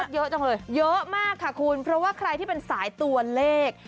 เยอะจังเลยเยอะมากค่ะคุณเพราะว่าใครที่เป็นสายตัวเลข